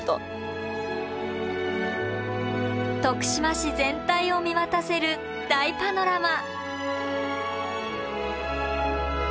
徳島市全体を見渡せる大パノラマ。